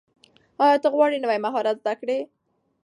ایا ته غواړې نوي مهارت زده کړې؟